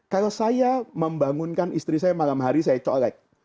kalau saya membangunkan istri saya malam hari saya colek